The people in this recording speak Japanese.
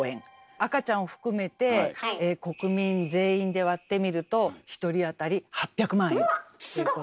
赤ちゃんを含めて国民全員で割ってみると１人あたり８００万円。